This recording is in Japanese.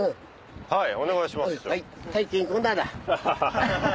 はいお願いします。